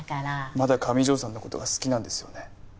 まだ上條さんの事が好きなんですよね？